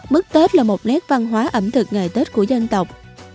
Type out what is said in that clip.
mứt tết là một nét văn hóa ẩm thực ngày tết của dân tộc